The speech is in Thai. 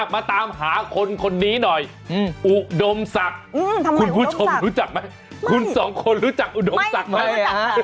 มาตามหาคนคนนี้หน่อยอุดมศักดิ์คุณผู้ชมรู้จักไหมคุณสองคนรู้จักอุดมศักดิ์ไหม